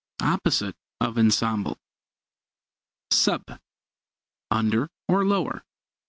Opposite of ensemble. Sub under or lower.